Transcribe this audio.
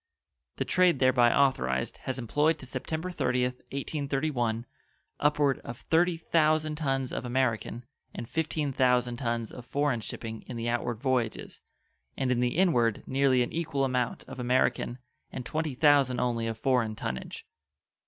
The trade thereby authorized has employed to September 30th, 1831 upward of 30 thousand tons of American and 15 thousand tons of foreign shipping in the outward voyages, and in the inward nearly an equal amount of American and 20 thousand only of foreign tonnage.